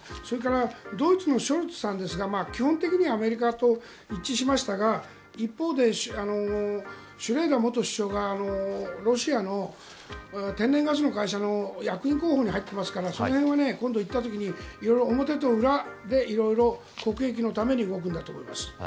それからドイツのショルツさんですが基本的にはアメリカと一致しましたが一方でシュレーダー元首相がロシアの天然ガスの会社の役員候補に入っていますからその辺は、今度、行った時に表と裏で色々国益のために動くんだと思います。